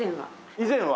「以前は」。